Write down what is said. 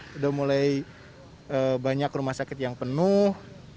sudah mulai banyak rumah sakit yang penuh